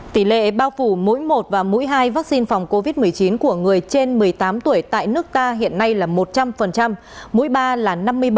tỷ lệ bao phủ mỗi một và mũi hai vaccine phòng covid một mươi chín của người trên một mươi tám tuổi tại nước ta hiện nay là một trăm linh mũi ba là năm mươi bảy